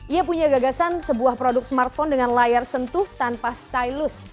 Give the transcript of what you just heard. ia punya gagasan sebuah produk smartphone dengan layar sentuh tanpa stylus